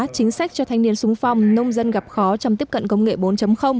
chính sách cho thanh niên sung phong nông dân gặp khó trong tiếp cận công nghệ bốn